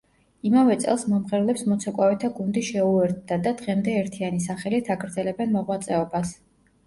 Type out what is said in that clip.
იმავე წელს მომღერლებს მოცეკვავეთა გუნდი შეუერთდა და დღემდე ერთიანი სახელით აგრძელებენ მოღვაწეობას.